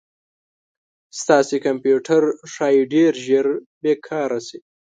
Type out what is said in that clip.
ستاسې کمپیوټر ښایي ډير ژر بې کاره شي